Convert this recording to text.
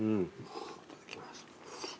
いただきます。